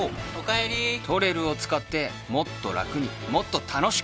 「ＴＯＲＥＲＵ」を使ってもっとラクにもっと楽しく